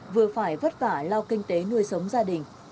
vừa phải vất vả lao kinh tế nuôi sống gia đình